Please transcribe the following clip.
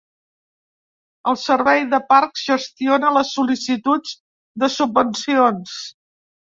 El Servei de Parcs gestiona les sol·licituds de subvencions.